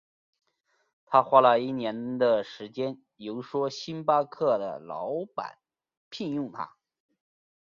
他花了一年的时间游说星巴克的老板聘用他。